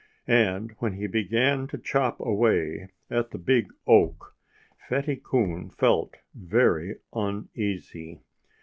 And when he began to chop away at the big oak, Fatty Coon felt very uneasy.